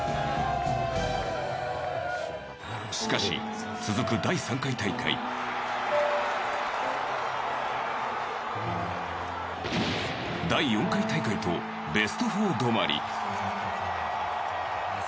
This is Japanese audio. しかし、続く第３回大会第４回大会と、ベスト４止まり。